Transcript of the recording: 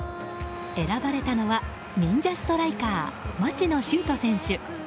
選ばれたのは忍者ストライカー、町野修斗選手。